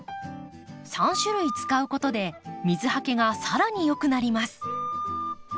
３種類使うことで水はけが更によくなります。